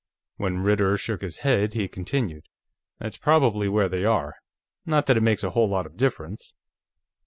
When Ritter shook his head, he continued: "That's probably where they are. Not that it makes a whole lot of difference."